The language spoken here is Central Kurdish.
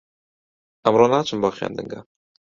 ئەمڕۆ ناچم بۆ خوێندنگە.